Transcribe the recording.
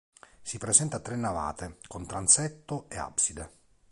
Si presenta a tre navate con transetto e abside.